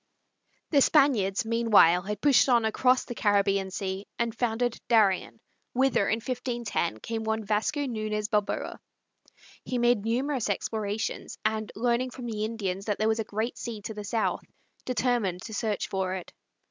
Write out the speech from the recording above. The Spaniards, meanwhile, had pushed on across the Caribbean Sea and founded Darien, whither, in 1510, came one Vasco Nuñez Balboa. He made numerous explorations, and, learning from the Indians that there was a great sea to the south, determined to search for it.